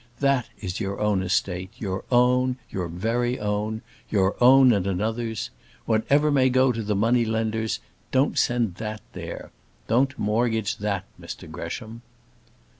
That is your own estate, your own, your very own your own and another's; whatever may go to the money lenders, don't send that there. Don't mortgage that, Mr Gresham."